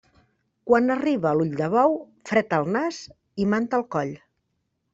Quan arriba l'ull de bou, fred al nas i manta al coll.